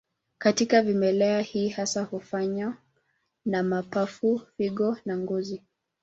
Katika vimelea, hii hasa hufanywa na mapafu, figo na ngozi.